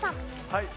はい。